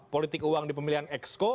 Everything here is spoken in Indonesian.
politik uang di pemilihan exco